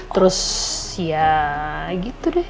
terus ya gitu deh